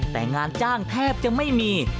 แต่งานจ้างแทบจะไม่มี